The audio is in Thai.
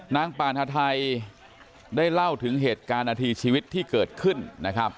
ปานฮาไทยได้เล่าถึงเหตุการณ์นาทีชีวิตที่เกิดขึ้นนะครับ